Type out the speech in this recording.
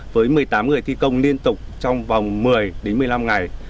với một mươi tám người thi công liên tục trong vòng một mươi đến một mươi năm ngày